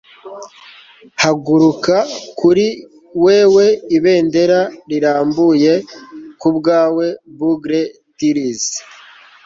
haguruka - kuri wewe ibendera rirambuye - kubwawe bugle trills